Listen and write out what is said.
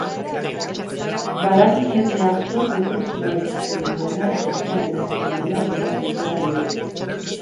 Badaki jende askok depresioa izaten duela eta etxean geratzen direla bere egoera berean.